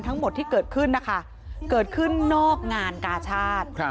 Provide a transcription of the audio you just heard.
ทั้งหมดที่เกิดขึ้นนะคะเกิดขึ้นนอกงานกาชาติ